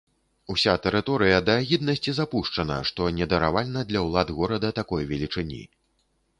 Уся тэрыторыя да агіднасці запушчана, што недаравальна для ўлад горада такой велічыні.